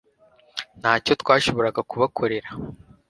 Ntacyo twashoboraga kubakorera